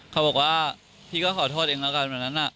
เขาบอกว่าพี่ก็ขอโทษเองแล้วกันวันนั้น